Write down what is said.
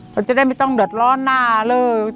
เขาจะได้ไม่ต้องเดือดร้อนหน้าเลิก